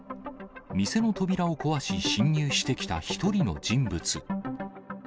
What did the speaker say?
店の扉を壊し侵入してきた１人の人物。